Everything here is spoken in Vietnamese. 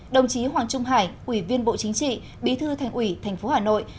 đồng chí hoàng trung hải ủy viên bộ chính trị bí thư thành ủy tp hà nội